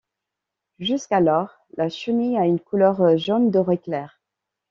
Jusqu'alors, la chenille a une couleur jaune doré clair.